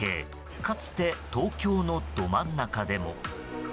かつて、東京のど真ん中でも。